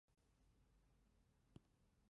而炮台两旁则建有印度建筑特色的哨房。